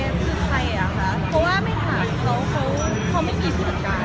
คือใครอะคะเพราะว่าไม่ผ่านเขาเขาไม่มีผู้จัดการ